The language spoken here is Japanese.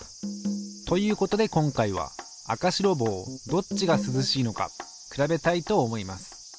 ということで今回は赤白帽どっちが涼しいのか比べたいと思います。